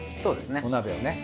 お鍋をね。